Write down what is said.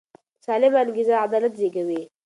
سالمه انګیزه عدالت زېږوي